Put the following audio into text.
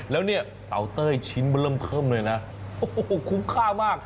แล้วเนี่ยเตาเต้ยชิ้นมันเริ่มเทิมเลยนะโอ้โหคุ้มค่ามาก